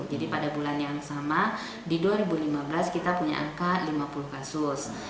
jadi pada bulan yang sama di dua ribu lima belas kita punya angka lima puluh kasus